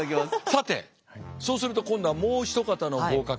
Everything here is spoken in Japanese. さてそうすると今度はもう一方の合格者。